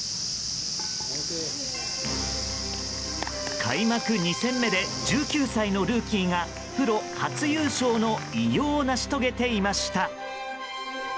開幕２戦目で１９歳のルーキーがプロ初優勝の偉業を成し遂げていました。